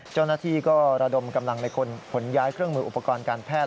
เจ้าหน้าที่ก็ระดมกำลังในคนขนย้ายเครื่องมืออุปกรณ์การแพทย์